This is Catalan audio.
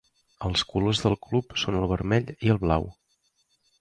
Els colors del club són el vermell i el blau.